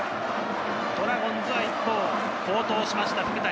ドラゴンズは好投しました、福谷。